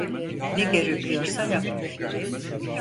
Ne gerekiyorsa yap.